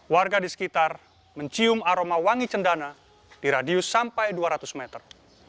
warga di sekitar mencium aroma wangi cendana di radius sampai dua ratus meter